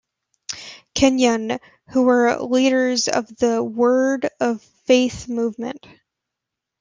Kenyon, who were leaders of the Word of Faith Movement.